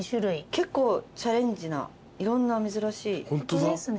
結構チャレンジないろんな珍しいタレですね。